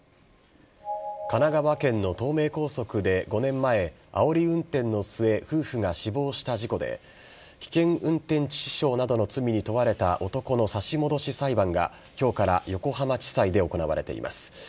神奈川県の東名高速で５年前あおり運転の末夫婦が死亡した事故で危険運転致死傷などの罪に問われた男の差し戻し裁判が今日から横浜地裁で行われています。